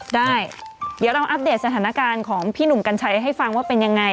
ได้เดี๋ยวเราอัปเดตสถานการณ์ของพี่หนุ่มกัญชัยให้ฟังว่าเป็นยังไง